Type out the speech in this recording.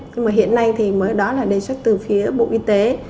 nhưng mà hiện nay thì mới đó là đề xuất từ phía bộ y tế